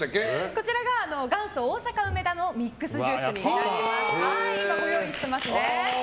こちらが元祖大阪梅田のミックスジュースになります。